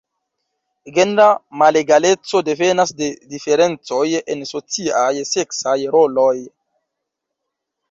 Genra malegaleco devenas de diferencoj en sociaj seksaj roloj.